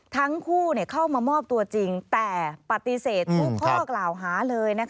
ทั้งคู่เข้ามามอบตัวจริงแต่ปฏิเสธทุกข้อกล่าวหาเลยนะคะ